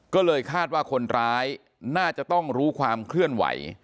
ก็เลยคาดว่าคนร้ายน่าจะต้องรู้ความเคลื่อนไหว